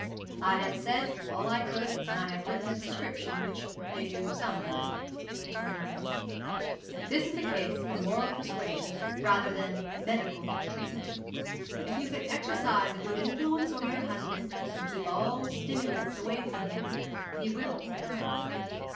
'I have said all I could, and I have written a prescription which may do some good,' he told Ida. 'This is a case for moral suasion rather than medical treatment. If you can exercise a good influence over your husband, and keep all stimulants away from him, he will recover.